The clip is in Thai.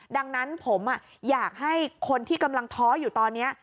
ดังนั้นผมอยากให้คนที่กำลังท้ออยู่ตอนนี้